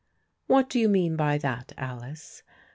"What do you mean by that, Alice?